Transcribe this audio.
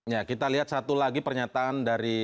ya kita lihat satu lagi pernyataan dari